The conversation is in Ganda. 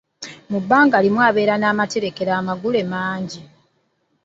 Mu bbanga limu abeera n'amaterekero amaggule mangi.